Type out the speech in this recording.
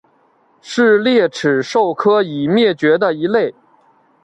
是鬣齿兽科已灭绝的一类。